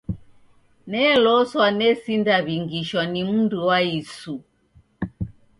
Neloswa nesindaw'ingishwa ni mndu wa isu.